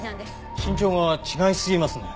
身長が違いすぎますね。